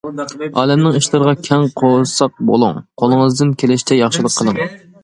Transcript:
ئالەمنىڭ ئىشلىرىغا كەڭ قورساق بولۇڭ، قولىڭىزدىن كېلىشىچە ياخشىلىق قىلىڭ.